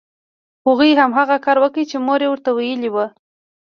هغوی هماغه کار وکړ چې مور یې ورته ویلي وو